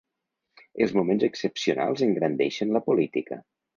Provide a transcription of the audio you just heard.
Els moments excepcionals engrandeixen la política.